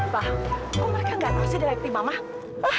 pa kok mereka nggak tahu sih direktif mama